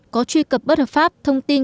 có truy cập bất hợp pháp thông tin